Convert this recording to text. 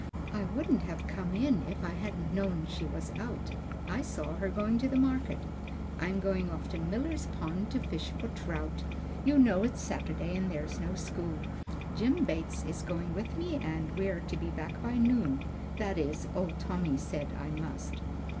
I wouldn't have come in if I hadn't known she was out. I saw her going to market. I'm going off to Miller's Pond to fish for trout. You know it's Saturday and there's no school. Jim Bates is going with me and we're to be back by noon; that is, old Tommy said I must."